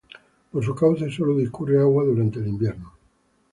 Por su cauce solo discurre agua durante el invierno.